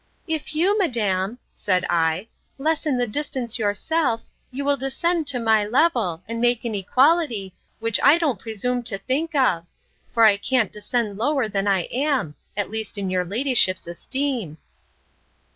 If you, madam, said I, lessen the distance yourself, you will descend to my level, and make an equality, which I don't presume to think of; for I can't descend lower than I am—at least in your ladyship's esteem!